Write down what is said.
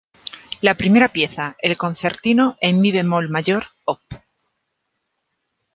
La primera pieza, el Concertino en mi bemol mayor, op.